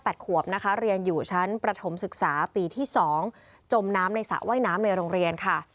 ห้าแปดขวบเรียนอยู่ชั้นประถมศึกษาปีที่๒จมน้ำในสระว่ายน้ำในโรงเรียน